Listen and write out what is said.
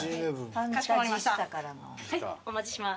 はいお持ちします。